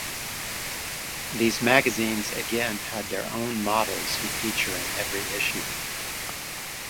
These magazines again had their own models who feature in every issue.